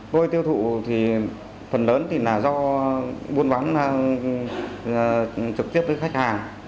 tôi tiêu thụ thì phần lớn thì là do buôn bán trực tiếp với khách hàng